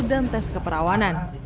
dan tes keperawanan